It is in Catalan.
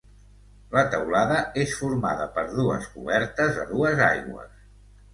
La teulada és formada per dues cobertes a dues aigües.